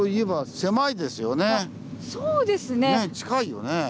近いよね。